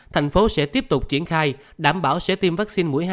thành phố sẽ tiếp tục triển khai đảm bảo sẽ tiêm vaccine mũi hai